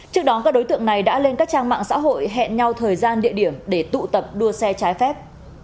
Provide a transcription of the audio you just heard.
trước đó các đối tượng này đã lên các trang mạng xã hội hẹn nhau thời gian địa điểm để tụ tập đua xe trái phép